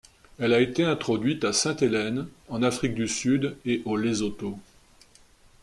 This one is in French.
Elle a été introduite à Sainte-Hélène, en Afrique du Sud et au Lesotho.